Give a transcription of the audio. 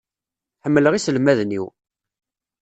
Ḥemmleɣ iselmaden-iw.